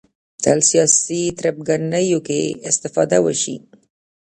تل سیاسي تربګنیو کې استفاده وشي